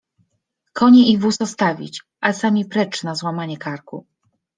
Konie i wóz ostawić, a sami precz na złamanie karku!